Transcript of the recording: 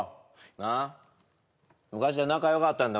なっ昔は仲よかったんだ？